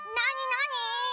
なに？